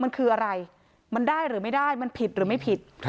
มันคืออะไรมันได้หรือไม่ได้มันผิดหรือไม่ผิด